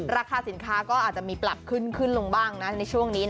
ราคาสินค้าก็อาจจะมีปรับขึ้นลงบ้างนะในช่วงนี้